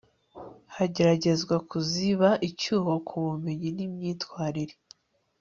hageragezwa kuziba icyuho ku bumenyi n imyitwarire